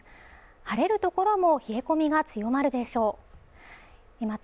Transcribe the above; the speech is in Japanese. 晴れる所も冷え込みが強まるでしょうまた